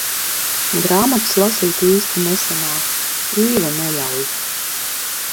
Grāmatas lasīt īsti nesanāk, Īve neļauj.